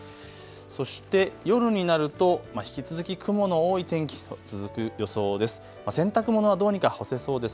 そして夜になると引き続き雲の多い、続く予想です。